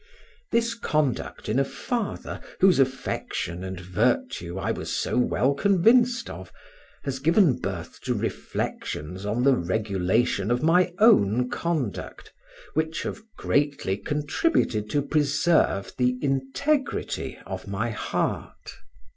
This conduct in a father, whose affection and virtue I was so well convinced of, has given birth to reflections on the regulation of my own conduct which have greatly contributed to preserve the integrity of my heart.